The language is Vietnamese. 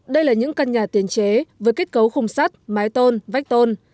đây là những căn nhà tiền chế với kết cấu khung sắt mái tôn vách tôn